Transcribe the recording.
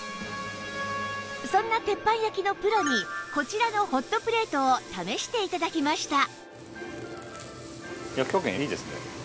そんな鉄板焼きのプロにこちらのホットプレートを試して頂きました